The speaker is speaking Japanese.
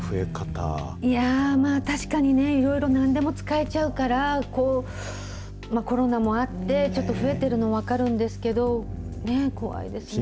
いやぁ、まあ確かにね、いろいろなんでも使えちゃうから、コロナもあって、ちょっと増えているの分かるんですけど、怖いですね。